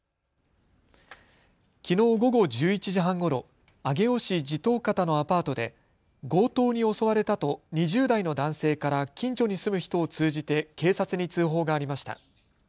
きのう午後１１時半ごろ上尾市地頭方のアパートで強盗に襲われたと２０代の男性から近所に住む人を通じて警察に通報がありました。